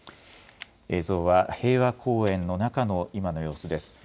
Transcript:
映像は平和公園の中の今の様子です。